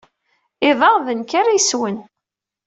Iḍ-a, d nekk ara d-yessewwen.